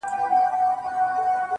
دې وطن کاڼي – گیا ته په ضرر نه یم، خو